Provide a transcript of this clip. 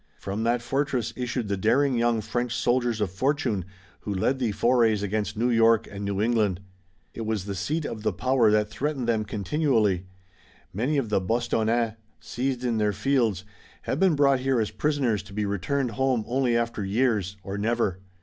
From that fortress issued the daring young French soldiers of fortune who led the forays against New York and New England. It was the seat of the power that threatened them continually. Many of the Bostonnais, seized in their fields, had been brought here as prisoners to be returned home only after years, or never.